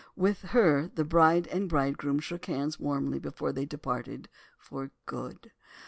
With her the bride and bridegroom shook hands warmly before they departed "for good."